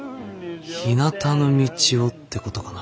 「ひなたの道を」ってことかな。